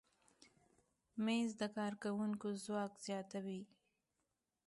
مېز د کارکوونکي ځواک زیاتوي.